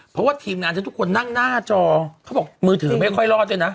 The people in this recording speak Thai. เพราะว่าทีมงานทุกคนนั่งหน้าจอเขาบอกมือถือไม่ค่อยรอดด้วยนะ